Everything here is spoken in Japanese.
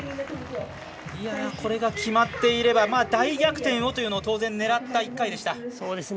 これが決まっていれば大逆転をというのを当然、狙った１回でした。